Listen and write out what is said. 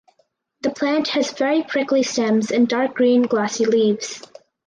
The plant has very prickly stems and dark green glossy leaves.